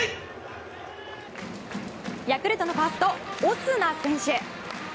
ヤクルトのファーストオスナ選手。